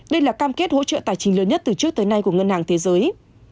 đây là cam kết hỗ trợ tài chính lớn nhất từ trước tới nay của ngân hàng thế giới